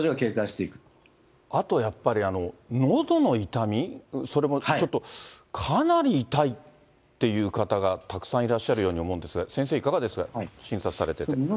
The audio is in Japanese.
あとやっぱり、のどの痛み、それもちょっとかなり痛いっていう方が、たくさんいらっしゃるように思うんですが、先生、いかがですか、診察されてて。